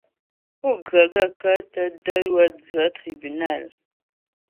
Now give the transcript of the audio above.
Pú ghə́ gaə̂kə́ tə də̀ wə́ dzə́ tribúnal ?